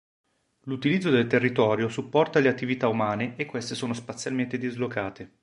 L'utilizzo del territorio supporta le attività umane e queste sono spazialmente dislocate.